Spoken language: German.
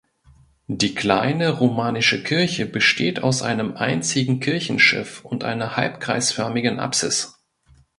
Die kleine romanische Kirche besteht aus einem einzigen Kirchenschiff und einer halbkreisförmigen Apsis.